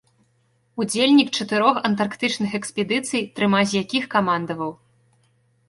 Удзельнік чатырох антарктычных экспедыцый, трыма з якіх камандаваў.